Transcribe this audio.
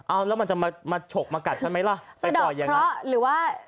อ้าวแล้วมันจะมาฉกมากัดฉันไหมล่ะไปปล่อยอย่างนั้นสะดอกเคราะห์หรือว่า